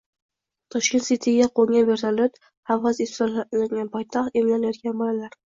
Tashkent City’ga qo‘ngan vertolyot, havosi ifloslangan poytaxt, emlanayotgan bolalar